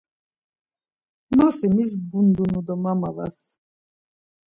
Nosi mis gundunu do ma mavas.